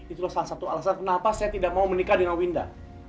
itulah salah satu alasan kenapa saya tidak mau menikah dengan winda